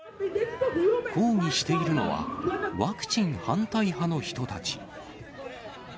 抗議しているのは、ワクチン反対派の人たち。